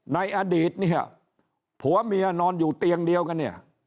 ในอดีตเนี่ยผัวเมียนอนอยู่เตียงเดียวกันเนี่ย